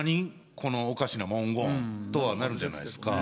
このおかしな文言？とはなるじゃないですか。